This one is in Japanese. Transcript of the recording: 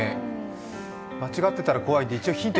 間違ってたら怖いんで一応、ヒント